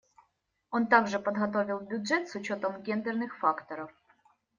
Он также подготовил бюджет с учетом гендерных факторов.